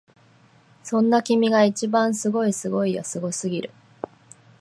そんな君が一番すごいすごいよすごすぎる！